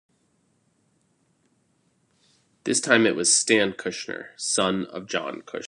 This time it was Stan Kushner, son of John Kushner.